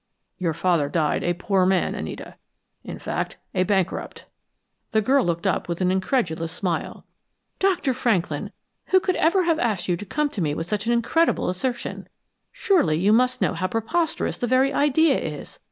Your father died a poor man, Anita. In fact, a bankrupt." The girl looked up with an incredulous smile. "Dr. Franklin, who could ever have asked you to come to me with such an incredible assertion? Surely, you must know how preposterous the very idea is!